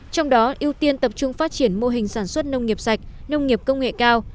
trong đó ưu tiên tập trung phát triển mô hình sản xuất nông nghiệp sạch nông nghiệp công nghệ cao